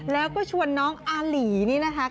แล้วก็ชวนน้องอาหลีนี่นะคะ